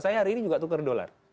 saya hari ini juga tukar dolar